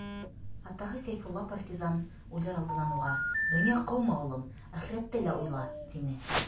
Атаһы, Сәйфулла партизан, үлер алдынан уға: «Донъя ҡыума, улым, әхирәтте лә уйла!» - тине.